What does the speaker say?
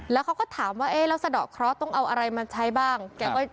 แล้วเขาก็ถามว่าเอ๊ะแล้วสะดอกเคราะห์ต้องเอาอะไรมาใช้บ้าง